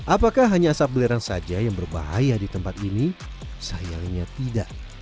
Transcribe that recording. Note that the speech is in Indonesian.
apakah hanya asap belerang saja yang berbahaya di tempat ini sayangnya tidak